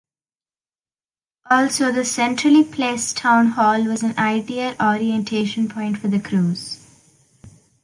Also, the centrally placed town hall was an ideal orientation point for the crews.